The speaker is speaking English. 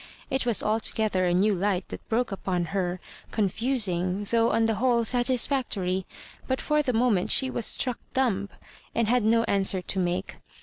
It was alto gether a new light that broke upon her, con fusing though on the whole satisfactory; but for the moment she was struck dumb, and had no answer to make.